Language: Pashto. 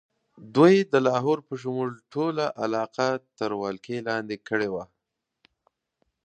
دوی د لاهور په شمول ټوله علاقه تر ولکې لاندې کړې وه.